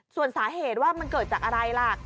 ส่วนสาเหตุว่ามันเกิดจากอะไรล่ะ